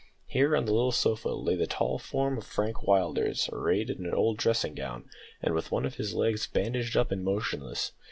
Here, on the little sofa, lay the tall form of Frank Willders, arrayed in an old dressing gown, and with one of his legs bandaged up and motionless.